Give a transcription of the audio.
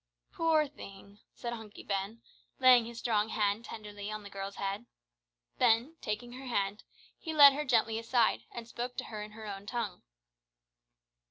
"Poor thing!" said Hunky Ben, laying his strong hand tenderly on the girl's head. Then, taking her hand, he led her gently aside, and spoke to her in her own tongue.